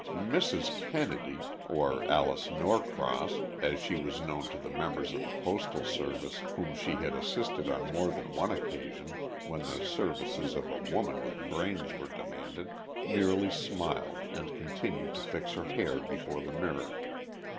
"Mrs. Kennedy," or Alice Norcross, as she was known to the members of the Postal Service whom she had assisted on more than one occasion when the services of a woman with brains were demanded, merely smiled and continued to fix her hair before the mirror.